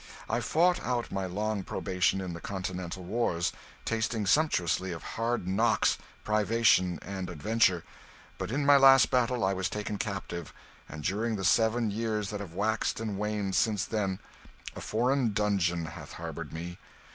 I fought out my long probation in the continental wars, tasting sumptuously of hard knocks, privation, and adventure; but in my last battle I was taken captive, and during the seven years that have waxed and waned since then, a foreign dungeon hath harboured me.